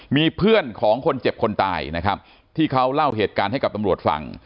มีเพื่อนของคนเจ็บคนตายนะครับที่เขาเล่าเหตุการณ์ให้กับตำรวจฟัง